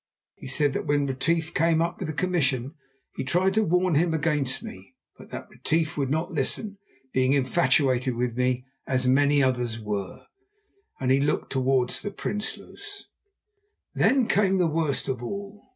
He said that when Retief came up with the commission he tried to warn him against me, but that Retief would not listen, being infatuated with me as many others were, and he looked towards the Prinsloos. Then came the worst of all.